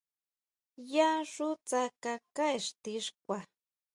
Yá xú tsakaká ixti xkua.